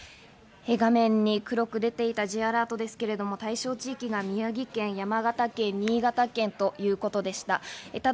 画面に黒く出ていたＪアラートですけれども、対象地域が宮城県、山形県、新潟県ということでした。